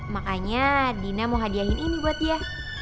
makanya dina mau hadiahin ini buat dia